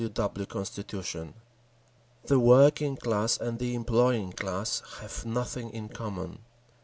W. W. constitution: "The working class and the employing class have nothing in common."